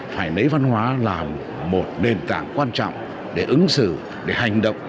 phải lấy văn hóa là một nền tảng quan trọng để ứng xử để hành động